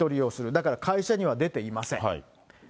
だから、会社には出ていません。